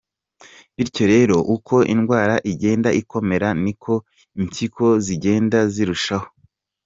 Bityo rero uko indwara igenda ikomera niko impyiko zigenda zirushaho